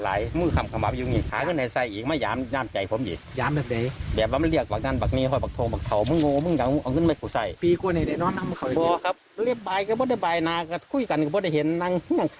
อ้าวครายเข้าใจหรือไม่ครึ่งวินบอก